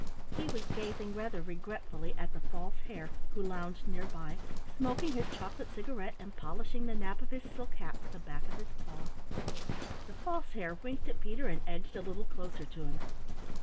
He was gazing rather regretfully at the False Hare who lounged near by, smoking his chocolate cigarette and polishing the nap of his silk hat with the back of his paw. The False Hare winked at Peter and edged a little closer to him.